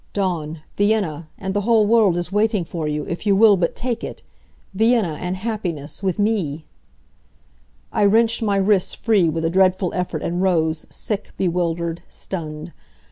"Dawn, Vienna, and the whole world is waiting for you, if you will but take it. Vienna and happiness with me " I wrenched my wrists free with a dreadful effort and rose, sick, bewildered, stunned.